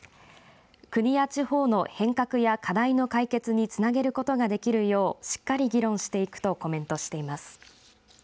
国や地方の変革や課題の解決につなげることができるようしっかり議論していくとコメントしています。